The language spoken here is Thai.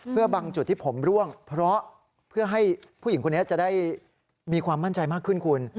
เพื่อบางจุดที่ผมร่วงเพราะเพื่อให้ผู้หญิงคนนี้จะได้มีความมั่นใจมากขึ้นคุณ